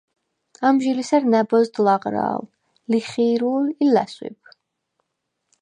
ამჟი ლი სერ ნა̈ბოზდ ლაღრა̄ლ, ლიხი̄რულ ი ლასვიბ.